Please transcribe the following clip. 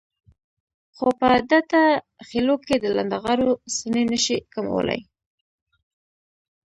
خو په دته خېلو کې د لنډغرو څڼې نشي کمولای.